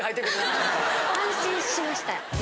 安心しました。